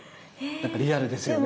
なんかリアルですよね。